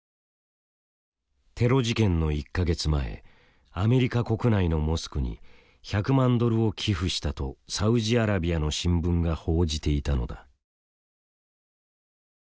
テロ事件の１か月前アメリカ国内のモスクに１００万ドルを寄付したとサウジアラビアの新聞が報じていたのだ。